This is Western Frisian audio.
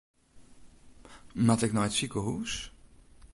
Moat ik nei it sikehûs?